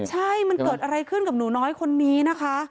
ใช่มันเกิดอะไรขึ้นกับหนูน้อยคนนี้นะคะ